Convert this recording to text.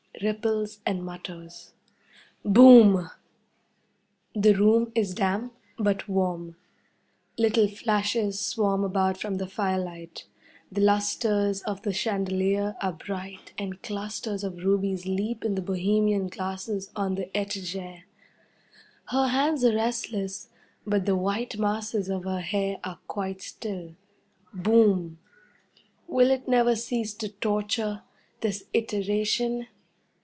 Ripples and mutters. Boom! The room is damp, but warm. Little flashes swarm about from the firelight. The lustres of the chandelier are bright, and clusters of rubies leap in the bohemian glasses on the 'etagere'. Her hands are restless, but the white masses of her hair are quite still. Boom! Will it never cease to torture, this iteration!